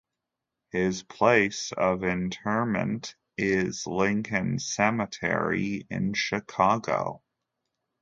His place of interment is Lincoln Cemetery in Chicago.